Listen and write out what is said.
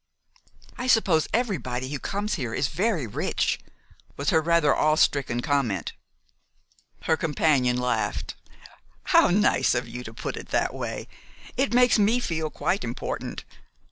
"I suppose everybody who comes here is very rich," was her rather awe stricken comment. Her companion laughed. "How nice of you to put it that way! It makes me feel quite important.